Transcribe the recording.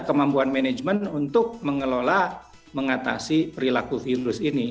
kemampuan manajemen untuk mengelola mengatasi perilaku virus ini